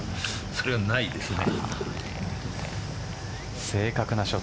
それがないですね。